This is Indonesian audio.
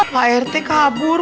pak rete kabur